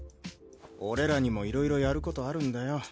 俺らにもいろいろやることあるんだよ。